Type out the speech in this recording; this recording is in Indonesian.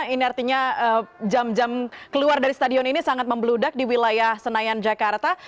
ini artinya jam jam keluar dari stadion ini sangat membeludak di wilayah senayan jakarta